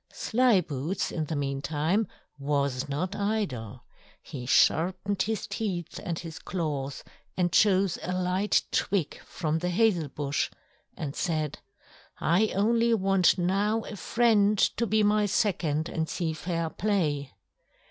Slyboots in the meantime was not idle; he sharpened his teeth and his claws and chose a light twig from the hazel bush and said: "I only want now a friend to be my second and see fair play."